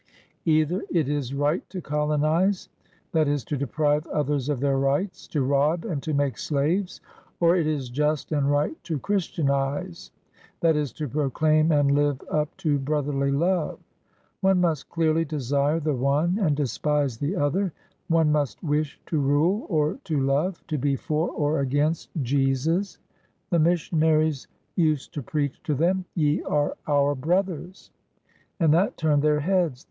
Either it is right to colonize, that is, to deprive others of their rights, to rob and to make slaves, or it is just and right to Chris tianize, that is, to proclaim and live up to brotherly love. One must clearly desire the one and despise the other; one must wish to rule or to love, to be for or against 472 IN THE SOUTH AFRICAN ARMY Jesus. The missionaries used to preach to them, 'Ye are our brothers/ and that turned their heads.